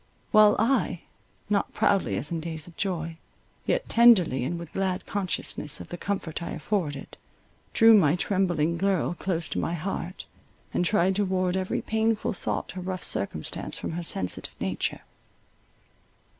While I, not proudly as in days of joy, yet tenderly, and with glad consciousness of the comfort I afforded, drew my trembling girl close to my heart, and tried to ward every painful thought or rough circumstance from her sensitive nature.